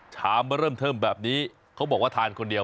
ชามมาเริ่มเทิมแบบนี้เขาบอกว่าทานคนเดียว